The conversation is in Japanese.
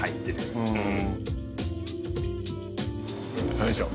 よいしょ。